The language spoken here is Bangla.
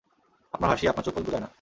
আপনার হাসি আপনার চোখ পর্যন্ত যায় না।